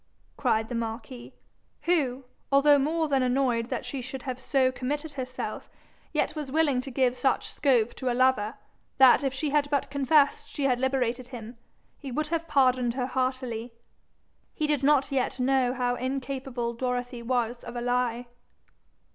cried the marquis, who, although more than annoyed that she should have so committed herself, yet was willing to give such scope to a lover, that if she had but confessed she had liberated him, he would have pardoned her heartily. He did not yet know how incapable Dorothy was of a lie.